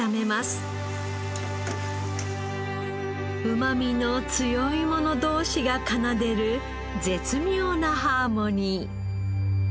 うまみの強い者同士が奏でる絶妙なハーモニー。